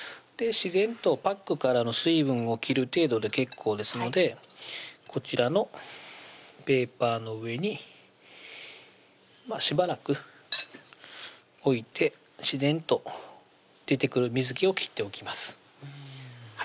自然とパックからの水分を切る程度で結構ですのでこちらのペーパーの上にしばらく置いて自然と出てくる水気を切っておきます